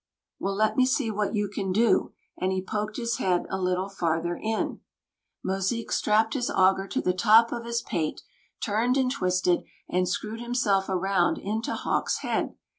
"Well, let me see what you can do," and he poked his head a little farther in. Mosique strapped his auger to the top of his pate, turned and twisted, and screwed himself around into Hawk's head.